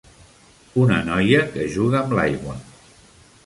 Una noia que juga amb l'aigua.